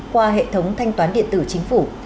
qua hệ thống thanh toán điện tử chính phủ